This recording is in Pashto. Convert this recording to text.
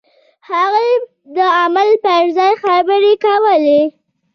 هغوی د عمل پر ځای خبرې کولې.